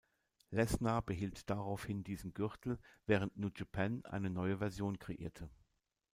Lesnar behielt daraufhin diesen Gürtel, während New Japan eine neue Version kreierte.